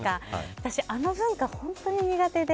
私あの文化、本当に苦手で。